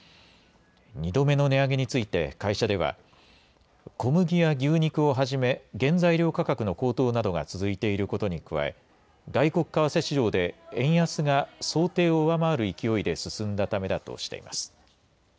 ２度目の値上げについて会社では小麦や牛肉をはじめ原材料価格の高騰などが続いていることに加え外国為替市場で円安が想定を上回る勢いで進んだためだとしています。